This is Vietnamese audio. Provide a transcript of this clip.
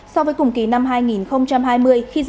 sau đó trong quý hai thu nhập bình quân tháng của người lao động nữ